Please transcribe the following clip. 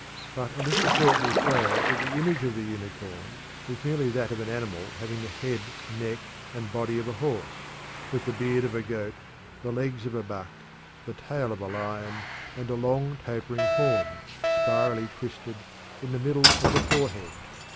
But a little thought will show that the image of the unicorn is merely that of an animal having the head, neck, and body of a horse, with the beard of a goat, the legs of a buck, the tail of a lion, and a long, tapering horn, spirally twisted, in the middle of the forehead.